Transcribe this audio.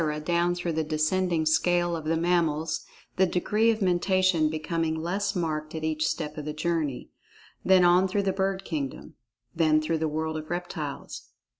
down through the descending scale of the mammals, the degree of Mentation becoming less marked at each step of the journey. Then on through the bird kingdom. Then through the world of reptiles.